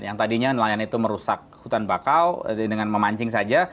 yang tadinya nelayan itu merusak hutan bakau dengan memancing saja